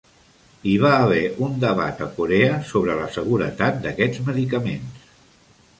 Hi va haver un debat a Corea sobre la seguretat d'aquests medicaments.